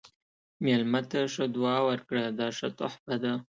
مېلمه ته ښه دعا ورکړه، دا ښه تحفه ده.